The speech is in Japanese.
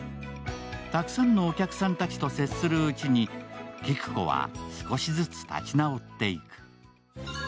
たくさんのお客さんたちと接するうちに、紀久子は少しずつ立ち直っていく。